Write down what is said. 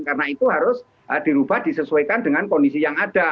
karena itu harus dirubah disesuaikan dengan kondisi yang ada